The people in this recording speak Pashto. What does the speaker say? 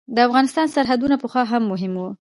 د افغانستان سرحدونه پخوا هم مهم وو.